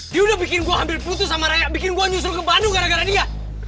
dia udah bikin gue ambil putus sama raya bikin gue nyusul ke bandung gara gara dia